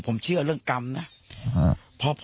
ผมเชื่อเรื่องกรรมนะ